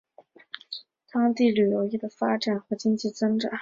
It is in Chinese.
新政策显着地刺激了当地旅游业发展和经济增长。